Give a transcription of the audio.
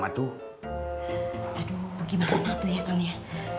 aduh gimana tuh ya kamunya